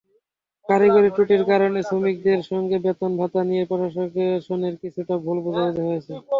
কারিগরি ত্রুটির কারণে শ্রমিকদের সঙ্গে বেতন-ভাতা নিয়ে প্রশাসনের কিছুটা ভুল বোঝাবুঝি হয়েছে।